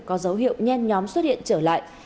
có dấu hiệu nhen nhóm xuất hiện trở lại